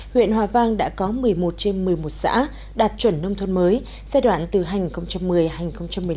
huyện hòa vang đã có một mươi một trên một mươi một xã đạt chuẩn nông thôn mới giai đoạn từ hành một mươi hành một mươi năm